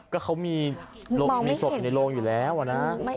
ก็เขามีโรงที่มีศพอยู่ในโรงอยู่แล้วนะ